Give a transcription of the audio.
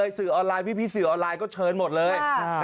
สื่อออนไลน์พี่สื่อออนไลน์ก็เชิญหมดเลย